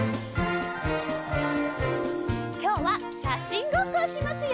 きょうはしゃしんごっこをしますよ。